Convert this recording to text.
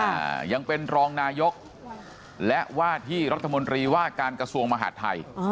อ่ายังเป็นรองนายกและว่าที่รัฐมนตรีว่าการกระทรวงมหาดไทยอ๋อ